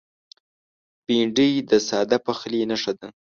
بېنډۍ د ساده پخلي نښه ده